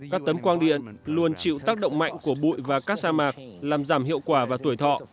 các tấm quang điện luôn chịu tác động mạnh của bụi và các sa mạc làm giảm hiệu quả và tuổi thọ